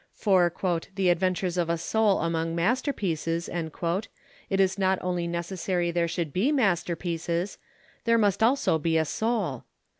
For "the adventures of a soul among masterpieces" it is not only necessary there should be masterpieces, there must also be a soul.